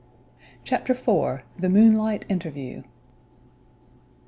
CHAPTER IV. THE MOONLIGHT INTERVIEW.